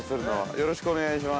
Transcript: よろしくお願いします。